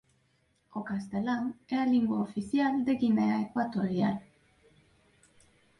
O castelán é a lingua oficial de Guinea Ecuatorial.